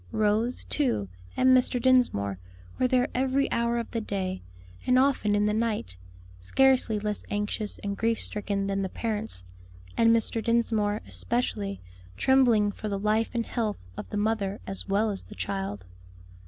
Rose, too, and Mr. Dinsmore, were there every hour of the day, and often in the night, scarcely less anxious and grief stricken than the parents, and Mr. Dinsmore especially, trembling for the life and health of the mother as well as the child.